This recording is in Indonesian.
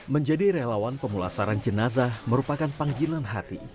menjadi relawan pemulasaran jenazah merupakan panggilan hati